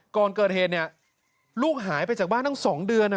ก่อนเกิดเหตุลูกหายไปจากบ้านตั้ง๒เดือน